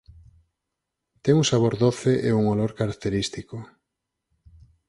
Ten un sabor doce e un olor característico.